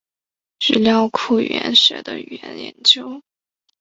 语料库语言学的语言研究。